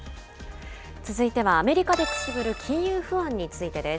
続いてはアメリカでくすぶる金融不安についてです。